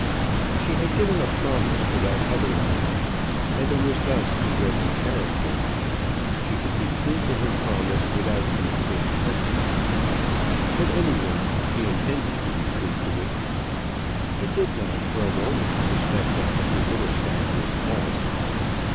She had given a promise to that other man, and it was thus he read her character she could be true to her promise without any great heart break. At any rate, she intended to be true to it. He did not for a moment suspect that Mr Whittlestaff was false.